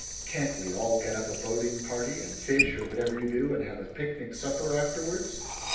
Can't we all get up a boating party, and fish, or whatever you do, and have a picnic supper afterwards?"